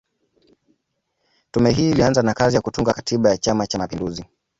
Tume hii ilianza na kazi ya kutunga Katiba ya Chama Cha mapinduzi